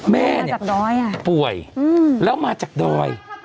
แม่เนี่ยป่วยแล้วมาจากดอย